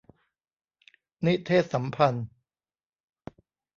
นิเทศสัมพันธ์